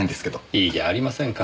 いいじゃありませんか。